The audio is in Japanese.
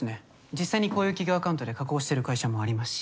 実際にこういう企業アカウントで加工してる会社もありますし。